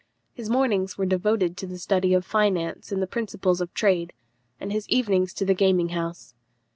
His mornings were devoted to the study of finance and the principles of trade, and his evenings to the gaming house.